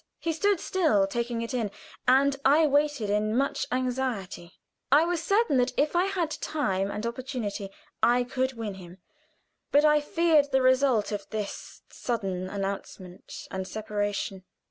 He stood still, taking it in, and I waited in much anxiety. I was certain that if I had time and opportunity I could win him; but I feared the result of this sudden announcement and separation.